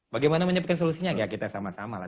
bagaimana menyiapkan solusinya ya kita sama sama lah